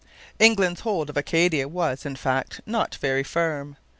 England's hold of Acadia was, in fact, not very firm.